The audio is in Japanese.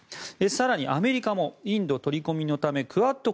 更に、アメリカもインド取り込みのためクアッド